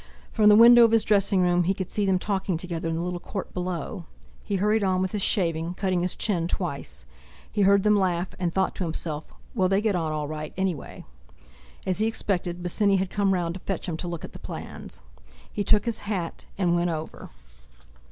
From the window of his dressing room he could see them talking together in the little court below. He hurried on with his shaving, cutting his chin twice. He heard them laugh, and thought to himself: "Well, they get on all right, anyway!" As he expected, Bosinney had come round to fetch him to look at the plans. He took his hat and went over.